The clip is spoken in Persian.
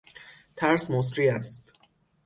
ترس مسری است.